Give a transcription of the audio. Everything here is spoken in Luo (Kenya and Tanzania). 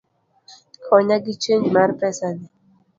Konya gi chenj mar pesani